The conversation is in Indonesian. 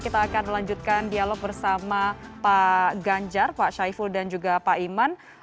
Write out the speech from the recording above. kita akan melanjutkan dialog bersama pak ganjar pak syaiful dan juga pak iman